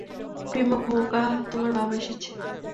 প্রিমো, খোকা, তোমার বাবা এসেছে!